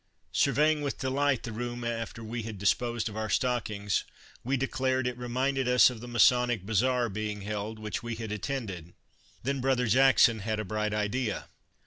Surveying with delight the room after we had disposed of our stockings, we declared it reminded us of the Masonic Bazaar being held, which we had attended. Then brother Jackson had a bright idea.